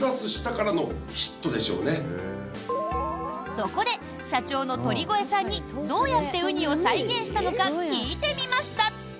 そこで、社長の鳥越さんにどうやってウニを再現したのか聞いてみました！